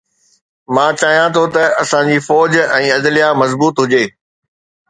مان چاهيان ٿو ته اسان جي فوج ۽ عدليه مضبوط هجي.